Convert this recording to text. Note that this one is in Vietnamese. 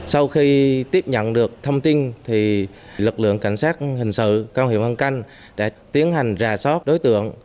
sau khi tiếp nhận được thông tin lực lượng cảnh sát hình sự công an huyện vân canh đã tiến hành rà soát đối tượng